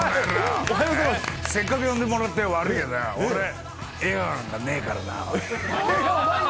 せっかく呼んでもらって悪いがな、俺、笑顔なんかねぇからな。